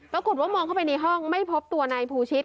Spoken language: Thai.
ปรากฏว่ามองเข้าไปในห้องไม่พบตัวนายภูชิต